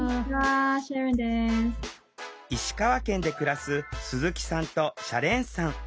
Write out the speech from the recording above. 石川県で暮らす鈴木さんとシャレーンさん。